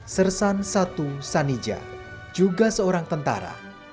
sersan satu sanija juga seorang tentara